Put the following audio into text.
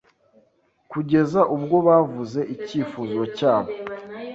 kugeza ubwo bavuze ikifuzo cyabo